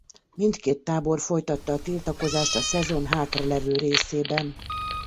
Mindkét tábor folytatta a tiltakozást a szezon hátralevő részében.